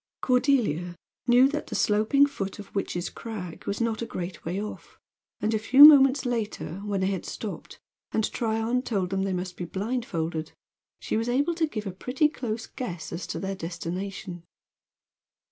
Cordelia knew that the sloping foot of Witch's Crag was not a great way off, and a few moments later, when they had stopped, and Tryon told them they must be blindfolded, she was able to give a pretty close guess as to their destination.